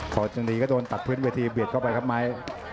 พอจนดีก็โดนตัดพื้นเวทีเบียดเข้าไปครับไม้